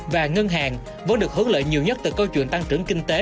và ngân hàng vẫn được hướng lợi nhiều nhất từ câu chuyện tăng trưởng kinh tế